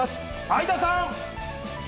相田さん！